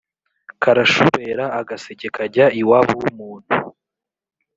Karashubera-Agaseke kajya iwabo w'umuntu.